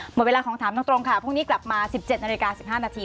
หมดเวลาของถามน้องตรงค่ะพรุ่งนี้กลับมาสิบเจ็ดนาฬิกาสิบห้านาที